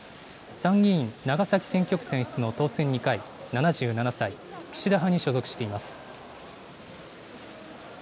参議院長崎選挙区選出の当選２回、７７歳、岸田派に所属しています。